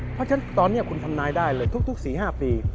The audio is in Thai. เพราะฉะนั้นตอนนี้คุณทำนายได้เลยทุก๔๕ปี